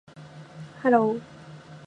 hello